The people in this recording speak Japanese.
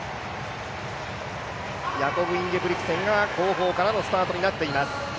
ヤコブ・インゲブリクセンが後方からのスタートになっています。